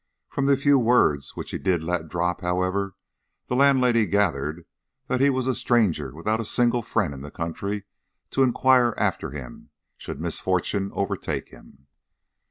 From the few words which he did let drop, however, the landlady gathered that he was a stranger without a single friend in the country to inquire after him should misfortune overtake him.